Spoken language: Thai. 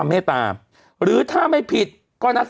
กรมป้องกันแล้วก็บรรเทาสาธารณภัยนะคะ